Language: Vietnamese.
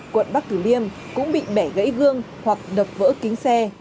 quận bắc thủ liêm cũng bị bẻ gãy gương hoặc đập vỡ kính